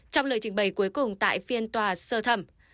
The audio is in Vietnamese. trong lời trình bày cuối cùng tại phiên tòa sơ thẩm